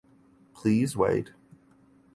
Please wait.